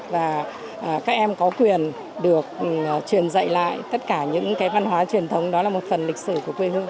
và các em có quyền được truyền dạy lại tất cả những cái văn hóa truyền thống đó là một phần lịch sử của quê hương